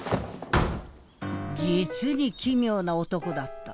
実に奇妙な男だった。